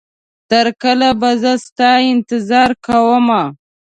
تر کله به زه ستا انتظار کومه